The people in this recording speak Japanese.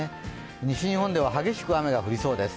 西日本では激しく雨が降りそうです。